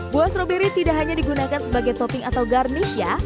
buah stroberi tidak hanya digunakan sebagai topping atau garnish ya